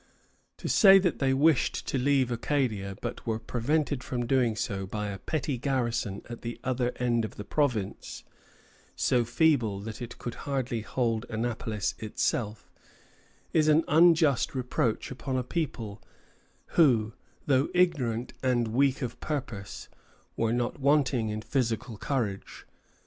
To say that they wished to leave Acadia, but were prevented from doing so by a petty garrison at the other end of the province, so feeble that it could hardly hold Annapolis itself, is an unjust reproach upon a people who, though ignorant and weak of purpose, were not wanting in physical courage.